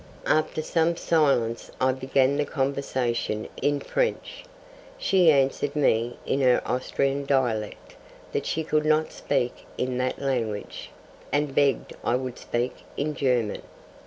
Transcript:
After some silence I began the conversation in French. She answered me in her Austrian dialect that she could not speak in that language, and begged I would speak in German.